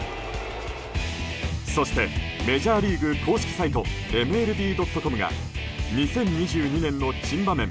そしてメジャーリーグ公式サイト、ＭＬＢ．ｃｏｍが２０２２年の珍場面